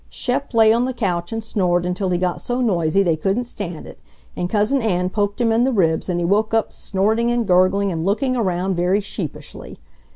Shep lay on the couch and snored until he got so noisy they couldn't stand it, and Cousin Ann poked him in the ribs and he woke up snorting and gurgling and looking around very sheepishly.